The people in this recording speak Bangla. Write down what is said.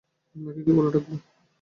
আপনাকে কী বলে ডাকবো?